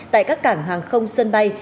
tại các cảng hàng không sân bay